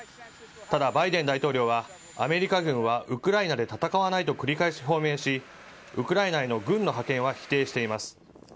ただバイデン大統領はアメリカ軍はウクライナで戦わないと繰り返し表明しウクライナへの軍の派遣は否定しています。